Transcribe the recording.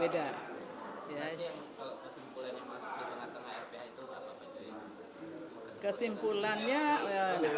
berarti kesimpulannya masuk ke tengah tengah rpa itu berapa